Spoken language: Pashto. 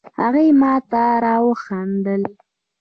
هغې ماته را وخندل